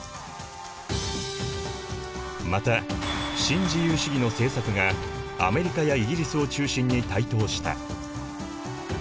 また新自由主義の政策がアメリカやイギリスを中心に台頭した。